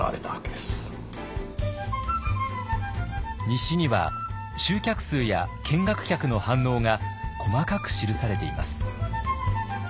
日誌には集客数や見学客の反応が細かく記されています。